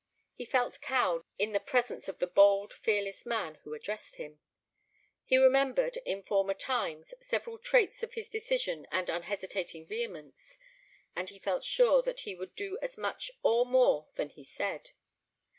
He felt cowed in the presence of the bold, fearless man who addressed him. He remembered, in former times, several traits of his decision and unhesitating vehemence; and he felt sure that he would do as much or more than he said.